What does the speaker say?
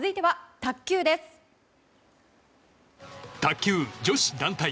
卓球女子団体。